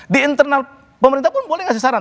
di internal pemerintah pun boleh ngasih saran